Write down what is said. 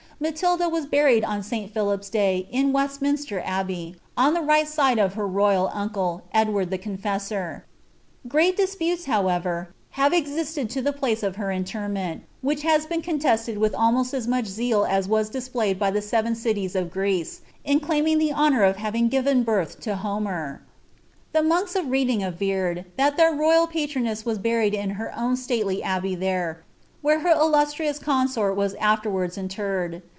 Matilda was buried on St Philip's day in Westminster I the right side of her royal uncle, Edward the Confessor.* yutes, however, have existed as to the place of her interment,' I been contested with almost as much zeal as was displayed by cities of Greece, in claiming the honour of having given birth '. The monks of Reading averred that their royal patroness d in her own stately abbey there, where her illustrious consort irards interred.